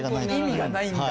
意味がないんだ？